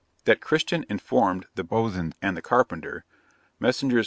'That Christian informed the boatswain and the carpenter, Messrs.